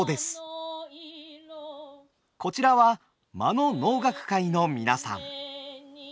こちらは真野能楽会の皆さん。